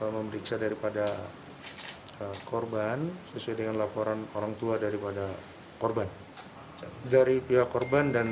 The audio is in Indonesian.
memeriksa daripada korban sesuai dengan laporan orang tua daripada korban dari pihak korban dan